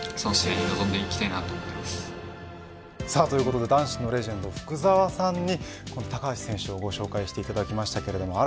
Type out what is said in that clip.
ということで男子のレジェンド、福澤さんに高橋選手を紹介していただきました。